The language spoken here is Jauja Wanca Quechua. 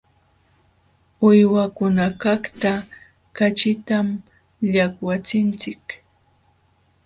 Uywakunakaqta kaćhitam llaqwachinchik.